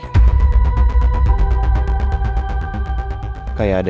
kayak ada yang berpikirnya